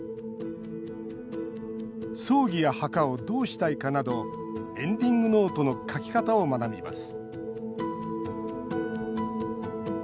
葬儀や墓をどうしたいかなどエンディングノートの書き方を学びます